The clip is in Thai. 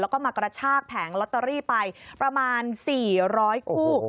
แล้วก็มากระชากแผงลอตเตอรี่ไปประมาณ๔๐๐คู่